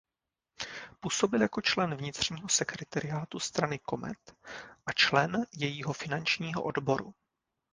Působil jako člen vnitřního sekretariátu strany Comet a člen jejího finančního odboru.